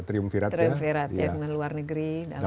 triumvirat ya dengan luar negeri dalam negeri